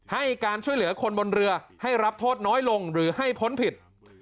ให้การช่วยเหลือคนบนเรือให้รับโทษน้อยลงหรือให้พ้นผิด